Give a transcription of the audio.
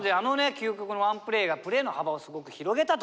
究極のワンプレーがプレーの幅をすごく広げたと。